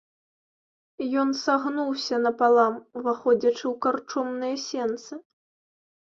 Ён сагнуўся напалам, уваходзячы ў карчомныя сенцы.